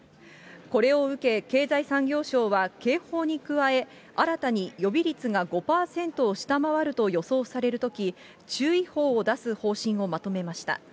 これを受け経済産業省は警報に加え、新たに予備率が５％を下回ると予想されるとき、注意報を出す方針をまとめました。